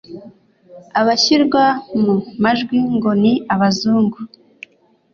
Abashyirwa mu majwi ngo ni abazungu